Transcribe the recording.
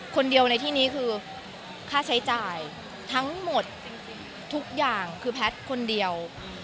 คนเดียวในที่นี้คือค่าใช้จ่ายทั้งหมดทุกอย่างคือแพทย์คนเดียว